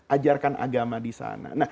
ajarkan agama di sana